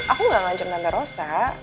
aku gak ngajar tante rosa